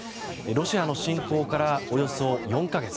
ロシアの侵攻からおよそ４か月。